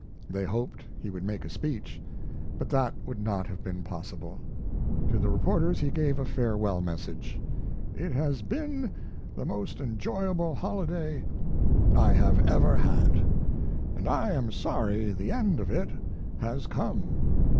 They hoped he would make a speech, but that would not have been possible. To the reporters he gave a farewell message: "It has been the most enjoyable holiday I have ever had, and I am sorry the end of it has come.